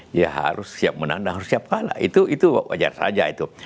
dia harus siap menang dan harus siap kalah itu wajar saja itu